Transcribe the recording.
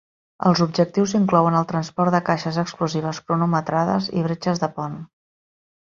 Els objectius inclouen el transport de caixes explosives cronometrades i bretxes de pont.